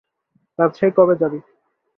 রাজশাহী কবে যাবি?